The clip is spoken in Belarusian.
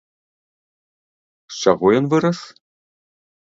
З чаго ён вырас?